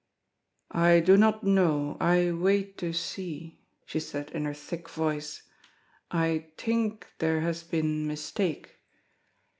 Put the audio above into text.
"I do nod know; I waid to see," she said in her thick voice; "I tink there has been mistake."